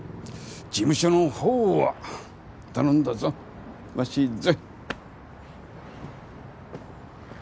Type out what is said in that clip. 事務所のほうは頼んだぞ鷲津。